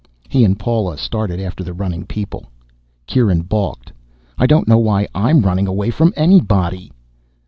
He and Paula started after the running people. Kieran balked. "I don't know why I'm running away from anybody."